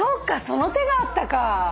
その手があったか。